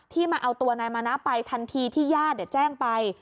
มาเอาตัวนายมานะไปทันทีที่ญาติแจ้งไป